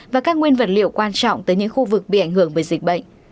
và các nguyên vật liệu quan trọng tới những khu vực bị ảnh hưởng bởi dịch bệnh